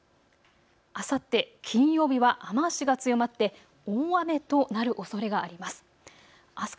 あさって金曜日は雨足が強まって大雨となるおそれがあります。